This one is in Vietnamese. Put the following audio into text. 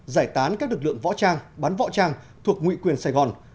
giải tán các lực lượng võ trang bắn võ trang thuộc nguyện quyền sài gòn